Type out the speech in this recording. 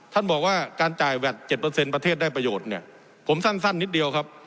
ท่านบอกว่าการจ่ายแวด๗ประเทศได้ประโยชน์เนี่ยผมสั้นนิดเดียวครับ